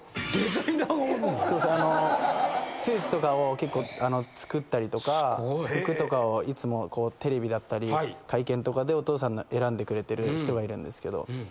スーツとかを結構作ったりとか服とかをいつもテレビだったり会見とかでお父さんのを選んでくれてる人がいるんですけど。